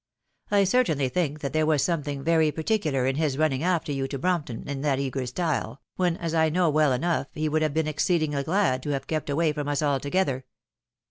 I certainly think that there was something very particular in Ids running after you to Brompton in that eager style, when, as I know well enough, he would have been exceedingly glad to have kept away from us alto gether.